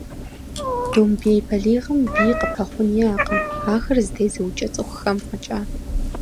Домбей бэлигъым бий къыпэхъун иӏэкъым, ахэр зэтезыукӏэ цӏыхухэм фӏэкӏа.